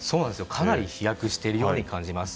かなり飛躍しているように感じます。